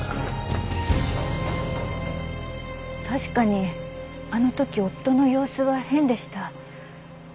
確かにあの時夫の様子は変でした。